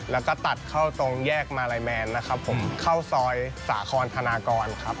แล้วก็ตัดเข้าตรงแยกมาลัยแมนนะครับผมเข้าซอยสาคอนธนากรครับ